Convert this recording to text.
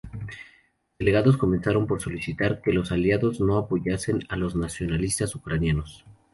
Los delegados comenzaron por solicitar que los Aliados no apoyasen a los nacionalistas ucranianos.